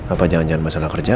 apa jangan jangan masalah kerja